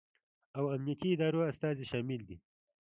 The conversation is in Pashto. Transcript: او امنیتي ادارو استازي شامل دي